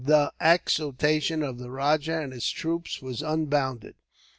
The exultation of the rajah and his troops was unbounded.